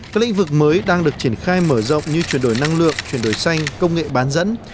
các lĩnh vực mới đang được triển khai mở rộng như chuyển đổi năng lượng chuyển đổi xanh công nghệ bán dẫn